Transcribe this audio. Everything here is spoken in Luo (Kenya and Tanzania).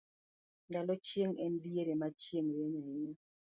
ndalo chieng' en diere na chieng' rieny ahinya